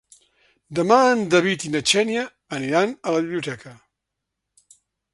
Demà en David i na Xènia aniran a la biblioteca.